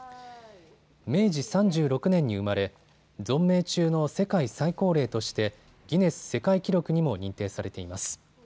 明治３６年に生まれ、存命中の世界最高齢としてギネス世界記録にも認定されています。